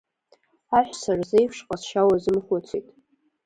Аҳәса рзеиԥш ҟазшьа уазымхәыцит…